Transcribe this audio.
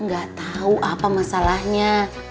gak tau apa masalahnya